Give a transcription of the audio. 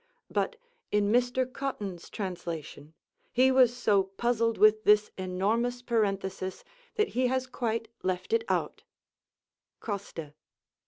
But, in Mr Cotton's translation, he was so puzzled with this enormous parenthesis that he has quite left it out" Coste.